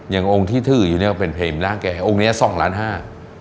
อย่างองค์ที่ถืออยู่เนี้ยมันเป็นเพลงร่างแก่องค์เนี้ยสองล้านห้า